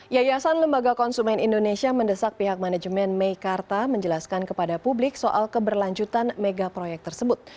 yayasan lembaga konsumen indonesia mendesak pihak manajemen meikarta menjelaskan kepada publik soal keberlanjutan mega proyek tersebut